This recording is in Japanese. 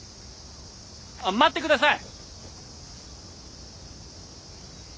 あっ待って下さい！